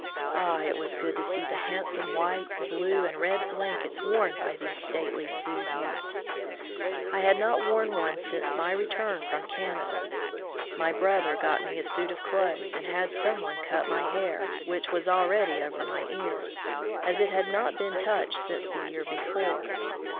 Ah, it was good to see the handsome white, blue, and red blankets worn by these stately Sioux youths! I had not worn one since my return from Canada. My brother got me a suit of clothes, and had some one cut my hair, which was already over my ears, as it had not been touched since the year before.